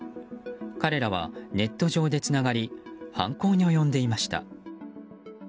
彼らはネット上でつながり犯行に及んでいました。